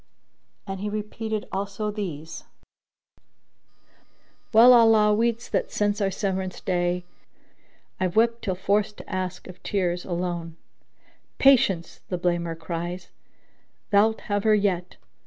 '"[FN#9] And he repeated also these, "Well Allah weets that since our severance day * I've wept till forced to ask of tears a loan: 'Patience! (the blamer cries): thou'lt have her yet!'